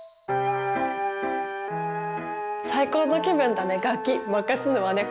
「最高の気分だね